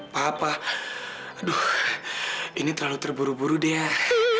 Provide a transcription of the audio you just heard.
papa aduh ini terlalu terburu buru deh